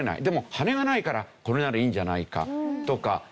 でも羽根がないからこれならいいんじゃないかとか。